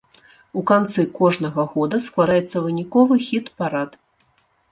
У канцы кожнага года складаецца выніковы хіт-парад.